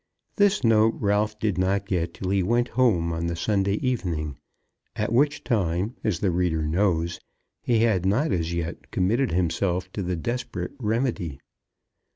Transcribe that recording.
This note Ralph did not get till he went home on the Sunday evening; at which time, as the reader knows, he had not as yet committed himself to the desperate remedy.